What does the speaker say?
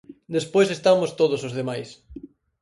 Despois estamos todos os demais.